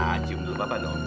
nah cium dulu papa dong